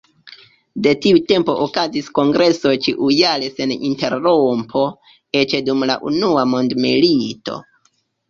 De tiu tempo okazis kongresoj ĉiujare sen interrompo, eĉ dum la Unua Mondmilito.